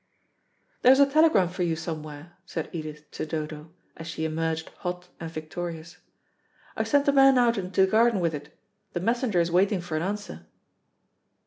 "There's a telegram for you somewhere," said Edith to Dodo, as she emerged hot and victorious. "I sent a man out into the garden with it. The messenger is waiting for an answer."